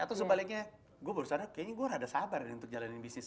atau sebaliknya gue baru sana kayaknya gue rada sabar nih untuk jalanin bisnis